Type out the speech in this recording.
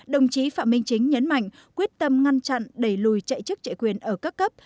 đồng chí phạm minh chính nhấn mạnh quyết tâm ngăn chặn đẩy lùi chạy chức chạy quyền ở các cấp